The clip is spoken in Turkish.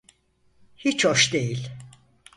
Hiç hoş değil.